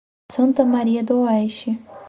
Santa Maria do Oeste